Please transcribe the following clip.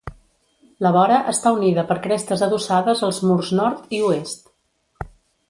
La vora està unida per crestes adossades als murs nord i oest.